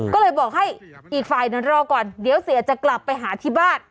ก็เลยบอกให้อีกฝ่ายนั้นรอก่อนเดี๋ยวเสียจะกลับไปหาที่บ้าน